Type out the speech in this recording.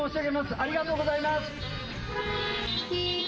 ありがとうございます。